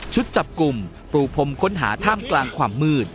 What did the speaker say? จับกลุ่มปูพรมค้นหาท่ามกลางความมืด